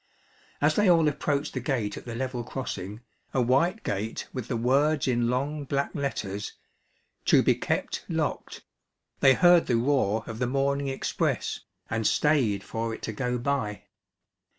As they all approached the gate at the level crossing, a white gate with the words in long black letters, "To be kept Locked," they heard the roar of the morning express and stayed for it to go by.